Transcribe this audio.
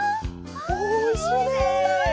おいしいね！